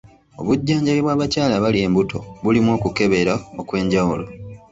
Obujjanjabi bw'abakyala abali embuto bulimu okukebera okw'enjawulo.